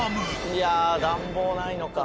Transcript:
いや暖房ないのか。